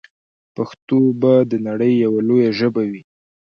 پښتو به د نړۍ یوه لویه ژبه وي.